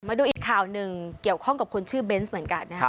มาดูอีกข่าวหนึ่งเกี่ยวข้องกับคนชื่อเบนส์เหมือนกันนะครับ